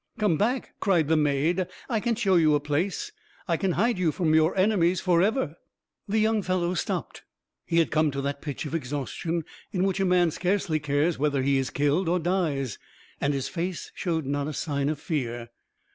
"Come back!" cried the maid; "I can show you a place. I can hide you from your enemies forever." The young fellow stopped. He was come to that pitch of exhaustion in which a man scarcely cares whether he is killed or dies. And his face showed not a sign of fear.